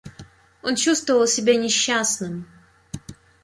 Он чувствовал себя несчастным.